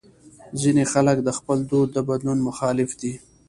ځینې خلک د خپل دود د بدلون مخالف دي.